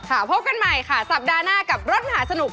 พบกันใหม่ค่ะสัปดาห์หน้ากับรถมหาสนุก